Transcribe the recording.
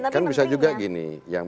kan bisa juga gini